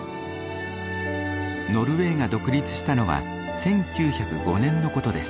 ノルウェーが独立したのは１９０５年のことです。